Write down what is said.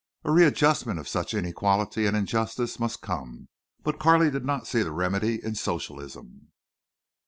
A readjustment of such inequality and injustice must come, but Carley did not see the remedy in Socialism.